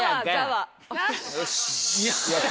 よし！